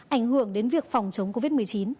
ảnh hưởng đến việc phòng chống covid một mươi chín